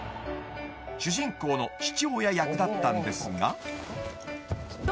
［主人公の父親役だったんですが］